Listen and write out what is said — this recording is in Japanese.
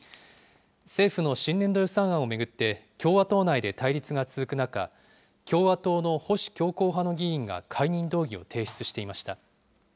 政府の新年度予算案を巡って、共和党内で対立が続く中、共和党の保守強硬派の議員が解任動議を提出していました。